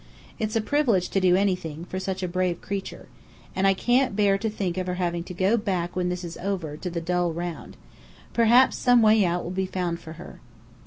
It's a privilege to do anything for such a brave creature. And I can't bear to think of her having to go back when this is over, to the dull round. Perhaps some way out will be found for her.